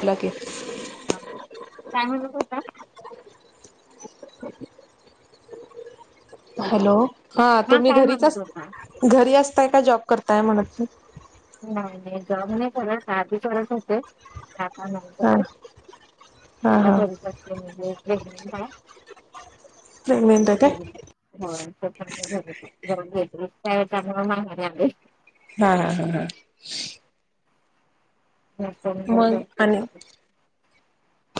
बोला की ह सांगलं तसच ना? [inaudible] हॅलो. हा तुम्ही काय घरीच म्हणत होता? असं घरी असताय का जॉब करताय म्हणत नाही. आता नाही हा करत, हा आता हा घरीच असते, म्हणजे प्रेग्नेंट हाय. प्रेग्नेंट आहे अच्छा काय [unintelligible] [inaudible] बेडरेस्ट आहे त्यामुळे मग घरी असते. हा हा हा हा. रस्त्यावरून मग [unintelligible] आणि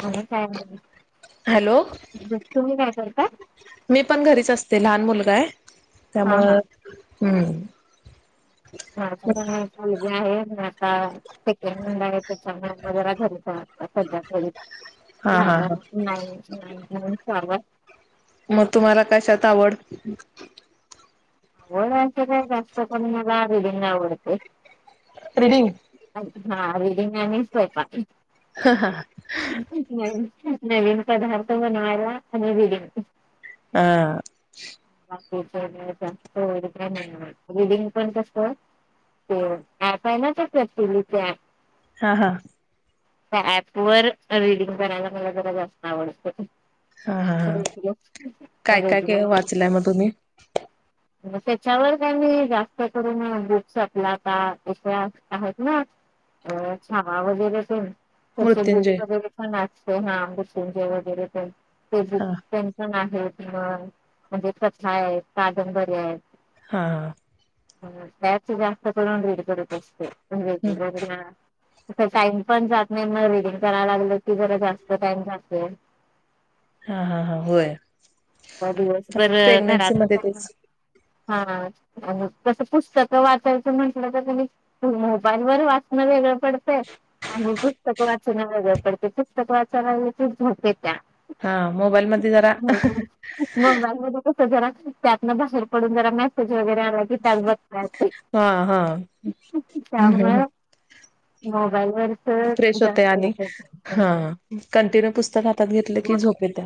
बघा काय व्हायलय? हॅलो. मी पण घरीच असते लहान मुलं काय? हा हा त्यामुळे हम्म. माझी पण एक मुलगी आहे, आता सेकंड ला त्याच्यामुळे घरीच राहते, सध्या घरीच. हा झाल हा ना. हा नाही नाही ग मग तुम्हाला कशात आवड? आवड कस काय जास्त कमी मला आरेबिन आवडतय. रीडिंग. हा रीडिंग आणिच स्वयंपाक. हा हा नवीन नवीन पदार्थ बनवायला आणि रिडींग. हह जास्त वगैरे नाही रीडिंग पण कस, [inaudible] हा हा त्या ऍप वर रीडिंग करायला मला जरा जास्त आवडत. [inaudible] हा हा हा काय काय काय वाचलंय मग तुम्ही त्याच्यावर त्यांनी जास्त करून ग्रुप्स आपला का इथे आहेत ना. अ छावा वगैरे तर. तसे मृत्युंजय बीट्स वगैरे पण नाचते हा ठूमके वगैरे पण. ते हा बुक पेन्शन आहेत मग म्हणजे कथा आहेत कादंबरी आहेत हा हा हम्म शाळेचे जास्त करून रीड करत असतो. हा टाइम पण जात नाही मग रीडिंग करायला लागलं की जरा जास्त टाइम जातोय. [inaudible] हा हा हा होय ह आता दिवसभर प्रेग्नेन्सी घरातच. मध्ये तेच ह कस पुस्तक वाचायचं म्हटलं, तर तुम्ही मोबाईल वर वाचणं वेगळं. पडते आणि पुस्तक वाचनं वेगळ पडते, पुस्तक वाचना वेळी झोप येत्या. हा मोबाईल मध्ये जरा. मोबाईल मध्ये कस, जरा त्यातन बाहेर पडून जरा मेसेज. हा हा हम्म हम्म हम्म [inaudible] [inaudible] झोप फ्रेश होते आणि हा कंटिन्यू पुस्तक हातात घेतलं की झोप येत्या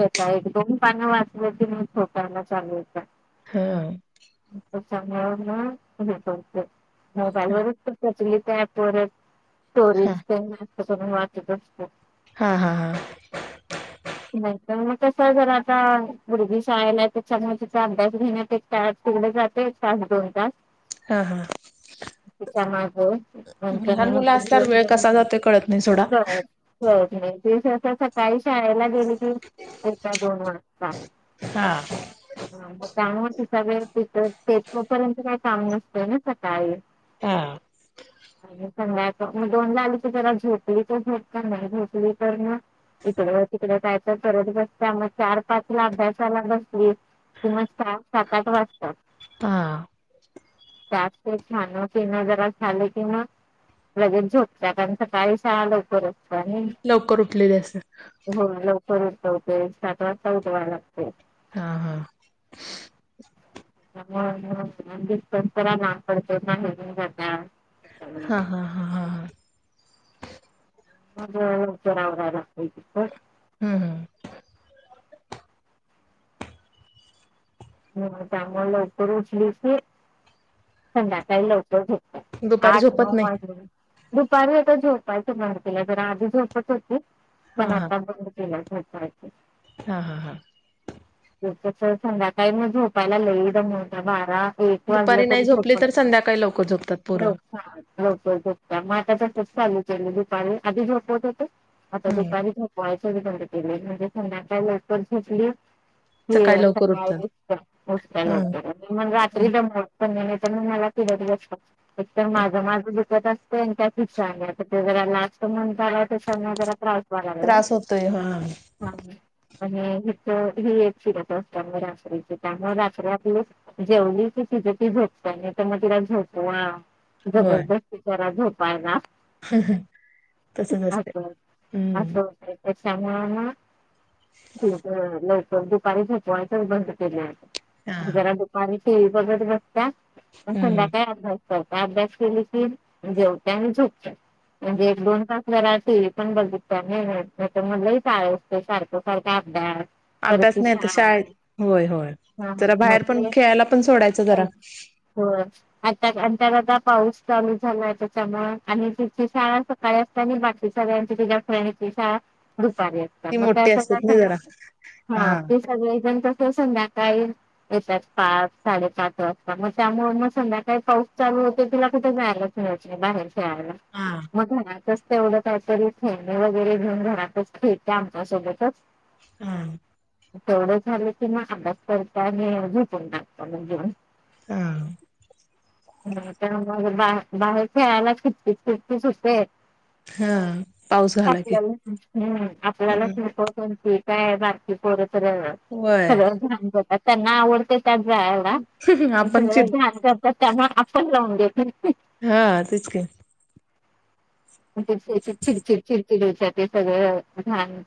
येते एक दोन पानं वाचल्या की मी झोपायला चालू होते. हा त्यामुळे मग मोबाईल वरच प्रतिलिता ॲप वरच हा स्टोरीज ते जास्त करून वाटत असतो. हा हा हा नाहीतर मग कसं जरा. आत मुलगी शाळेलाय त्याच्यामुळे तिचा अभ्यास घेण्यात तेवढ जाते एक तास दोन तास. हा हा तिच्यामागे लहान मुलं असल्यावर वेळ कसा जातोय कळत नाही सोडा [inaudible] सकाळी शाळेला गेली ती एका [inaudible] हा त्यामुळे त सगळे तीथं ते तोपर्यंत काही काम नसतंय ना सकाळी. हा आणि सधा म दोन ला आली की जरा झोपली तर झप का नाही झोपली तर मग इकडे तिकडे करत बस्तिया पाचला अभ्यासाला बसली कि मग सात आठ वाजतात हा त्यात खान पिन जरा झाले की मग लगेच झोप कारण सकाळी शाळा लवकरच लवकर उठलेली असते होई लवकर उठी [unintelligible] हा हा [unintelligible] हा हा हा हा हा मग करावा लागतय लवकर हम्म हम् त्यामुळं लवकर उठली की, संध्याकाळी लवकर झोप दुपारी आठ झोपत नाही [unintelligible] दुपारी आता झोपायचं बंद केलं जरा आधी झोपत होती हा पण हा आता बंद केलाय. [unintelligible] हा हा हा. [unintelligible] संध्याकाळी मग झोपायला लई दमवतीया बारा एक वाजलं दुपारी तरी नाही झोपली झोपत तर नाही संध्याकाळी लवकर झोपतात पोरं लवकर झोपतीय मग आता [unintelligible] दुपारी आधी झोपवत होते आता हम्म दुपारी झोपयच पारी बंद केलय म्हणजे संध्याकाळ लवकर झोपली, की सकाळी लवकर उठतात सकाळीं हम्म [unintelligible] मग रात्री जमत पण नाही तर, म मला [unintelligible] एक तरत माझं माझं [unintelligible] [unintelligible] आणि त्रास होतोय हा हित हे फिरत असंता रात्री त्यामुळे रात्र आपली जेवली की तिच ती झोपते नाही, तर मग तिला झोपवा होय जबरदस्ती करा झोपायला. तसच असते असं हम्म असं होतंय. त्यामुळं म लव लवकर दुपारी झोपवायच बंद केलेय हा आता. जरा दुपारी टी व्ही बघत बस्त्या अन हम्म संध्याकाळी अभ्यास. [unintelligible] अभ्यास केली की जेवत्या अन झोपत्यात म्हंजे एक दोन तास जरा टी व्ही पण बघितल्या नाही, तर म लईच आळस करत्या सारखं सारखं अभ्यास परत अभ्यास ती नाही त शाळा शाळेत होय होय हा हा जरा बाहेर पण म्हणजे खेळायला पण सोडायचं जरा. होय अर्धा घंटा जा पाऊस चालू झालाय त्याच्यामुळे आणि तिची शाळा सकाळी असते ना बाकी सगळ्यांची तीच्या फ्रेंडची तिची शाळा दुपारी असते ती मग काय मोठी असतात ना जरा करणार [unintelligible] हां हा ते सगळे जण संध्याकाळी येतात पाच साडेपाच वाजता, मगं त्यामुळें मगं संध्याकाळी पाऊस चालू होते तिला कुठं जायला [unintelligible] बाहेर खेळायला हा मग घरात बसं तेवढं काही तरी खेळणे वगैरे घेऊन घरातच खेळता आमच्या सोबतच. हां. तेवढं झालं की म अभ्यास करता आणि झोपून टाकत्या म जेवून. हा त्या मग बा बाहेर खेळायला किचकीच किचकीच होते हा पाऊस झाला की आपल्याला हम्म आपल्यालाच [unintelligible] कोणती काय बाकी पोर तर वय सर्वच घाण करतात, त्यांना आवडतं ते त्यात जायाला पण आपण सगळं चिड घाण करतात त्यामुळे, आपण राहून देतो. हां तेच काय. [unintelligible] चिडचिड चिडचिड होतय ते सगळं घान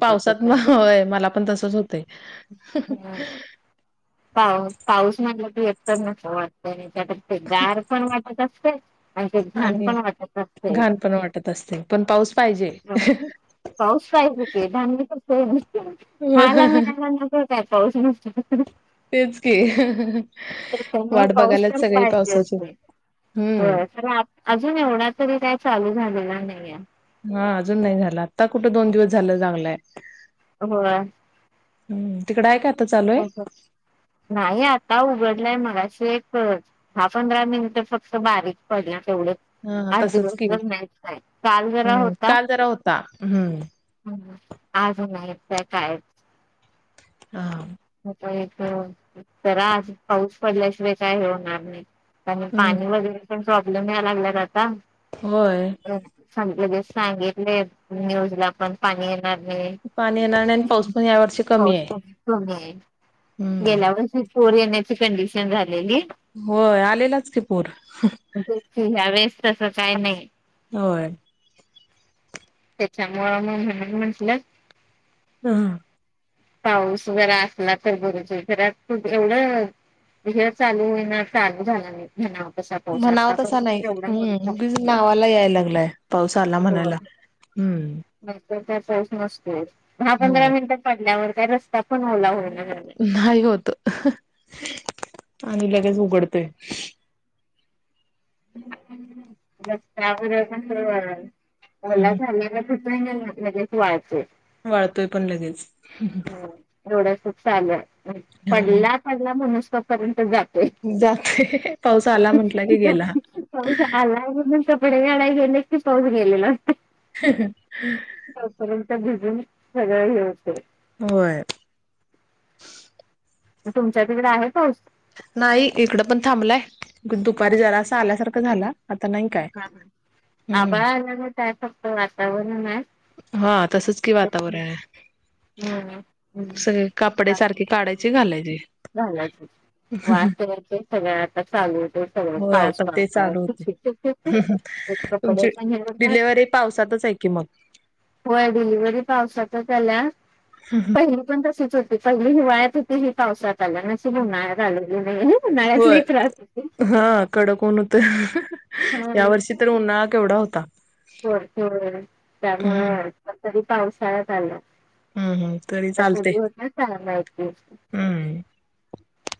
पावसात मं होय मला पण तसंच होतंय. पाऊ पाऊस म्हटल की एकदम [unintelligible] त्याच्यात ते गार पण वाटत असते आणि छान आणि पणं वाटतं असतें. घाण पण वाटत असते, पण पाऊस पाहिजे. पाऊस पाहिजे की धान्य [unintelligible] खायला मिळायला [unintelligible] काय पाऊस नसतो. तेच की त्यामुळे वाट पाऊस बघायलाच पण सगळी पाहिजे पावसाची असतय. होय हम्म तर अजून एवढा तरी काय चालू झालेला नाही आहे. हां अजून नाही झाला आत्ता कुठे दोन दिवस झाले चांगलंय. होय. हम्म तिकडे आहे कां? हाय का? नाही आत्ता उघडलाय मगाशी. [unintelligible] दहा पंधरा मिनिट फक्त बारीक पडला. तेवढच हा आज तसच दिवस की भर नाहीच नाही काल जरा हम्म होता. काल जरा होता हम्म [unintelligible] हा, [unintelligible] जरा आज पाऊस पडल्याशिवाय काय हो होणार नाही. [unintelligible] आणि हम्म पाणी वगैरे पण प्रॉब्लेम यायला लागल्यात आता. होय सांगितलेत न्यूज ला पण पाणी पाणी येणार नाही आणि पाऊस पण या वर्षी कमी आहे. [unintelligible] हम्म गेल्या वर्षी पूर येण्याची कंडिशन झालेली होय आलेलाच की पूर ह्या वेळेस तसं काही नाही होय, त्याच्यामुळ म्हणून म्हटलं हा, पाऊस वगैर असला तर बरच आहे खर तू एवढं हे चालू आहे ना चालू झालं नाही हे म्हणाव तसा नाही हम् नावाला याय लागलाय पावसाला म्हणायला हम्म, स नसतो, दहा पंधरा होय मिनिटं पडल्यावर का रस्ता पण ओला हो नाही होत आणि लगेच उघडतेय रस्त्यावर [unintelligible] ओला हम्म झालेला लगेच वाळतय. वाळतोय पण लगेच प चालूय पडला पडला मणूसपर्यंत जातोय जाते पाऊस आला म्हंटलं की गेला पाऊस आलाय म्हणून कपडे काढायला गेले की पाऊस गेलेल असतोय [inaudible] सगळी हेते होय [inaudible] तुमच्या तिकडे आहे पाऊस नाही इकडं पण थांबलाय दुपारी जरा असं आल्यासारखं झाला आता नाही काय, हम्म आभळा आला ना त्या फक्त वातावरण आहे. हा तसच कि वातावरण आहे. हम्म. हम्म. सगळे कपडे सारखे काढायची घालायचे. वासचे सगळ आता चालू होते सगळ होय पाऊस आता ते पहतावर चालू होते खेच ते एक्र कपडे तुमची प हर काच डिलेव्हरी पावसातच आहे की मग होय डिलिव्हरी पावसातच आली पहिली पण तशीच होती पहिली हिवाळ्यात होती ही पावसात बरं झालं उन्हाळ्यात नाही आली उन्हाळ्यात होय लई त्रास हा कडकन होत, या वर्षी तर उन्हाळा केवढा होता. होर हम्म त्यामुळेण तरी पावसाळ्यात आलं. हम्म हम्म तरी चालते [unintelligible] हम्म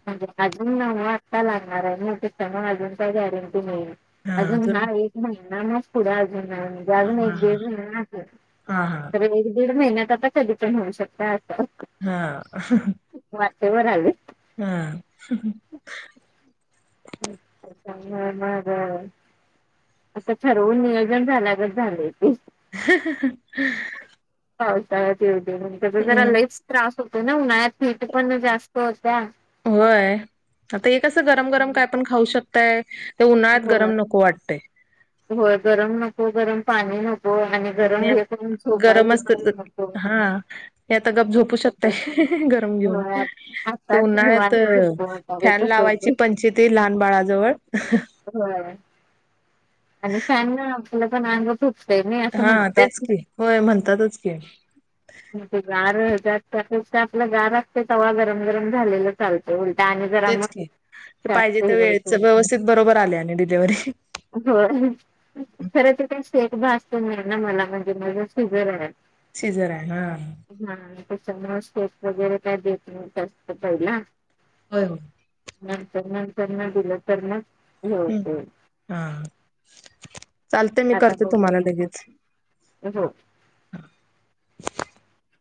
म्हणजे अजून न आत्ता लागणार आहे न त्यामुळे अजून का गॅरंटी नाही अजून हा एक महिनानाच पुढ ह हा जागून हा एक दीड महिन्या हा तर एक दीड महिन्यात आता कधी पण होऊ शकत अस हा, म बर झाले, हा, [unintelligible] [unintelligible] आता ठरवून नियोजन झाल्यागत झालंय ते! [inaudible] पावसाळ्यात येऊदे, त्याचा जरा हम्म लईच त्रास होतो ना उन्हाळ्यात फिट पण जास्त होतीयां. होय आता हे कसं गरम गरम काय पण खाऊ शकताय. ते उन्हाळ्यात होय गरम नको वाटतंय होय गरम नको गरम पाणी नको गरम आणि हे करून झोपाय गरम असत, बिपाय नको. हा हे आता गप झोपू शकताय. गरम घेऊन होय आताच उन्हाळ्यात निवांत झोपून उठावे फॅन तसं लावायची होतंय. पंचत लहान बाळा जवळ! होय आणि फॅन न आपला पण अंग खूप हा तेच की, होय म्हणतातच की. ते आपलं गार असते तवा गरम गरम झालेलं चालत. हा तेच नाही पाहिजे जास्त हे तर होते वेळच व्यवस्थित बरोबर आले आणि डिलेव्ही. हो खरं तर काही शेक भात असत नाही ना मला म्हणजे मांझ शिजर आहे. शिजर हा त्याच्यामुळे स्कोप वगैरे काय देत नाहीत असा आहे ना! होय हो. नंतर नंतर म दिलं तर मग हे हम् होतंय हा चालते मी करते तुम्हाला लगेच. हा. [inaudible]